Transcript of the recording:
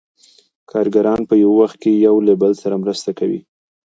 کارګران په یو وخت کې یو له بل سره مرسته کوي